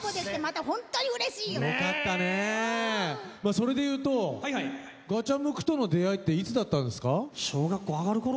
それでいうとガチャムクとの出会いっていつだったんですか？